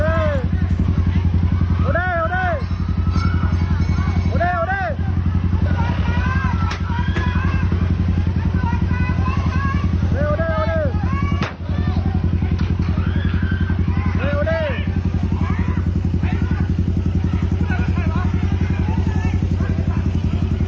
เอาด้วยตันต่อด้วย